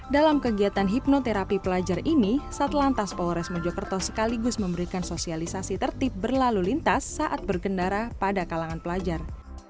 dalam kegiatan hipnoterapi pelajar ini satlantas polres mojokerto sekaligus memberikan sosialisasi tertib berlalu lintas saat bergendara pada kalangan pelajar